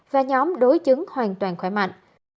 và nhóm đối chứng hoàn toàn khỏe mạnh